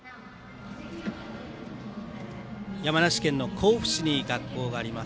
山梨県の甲府市に学校があります。